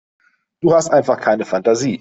Du hast einfach keine Fantasie.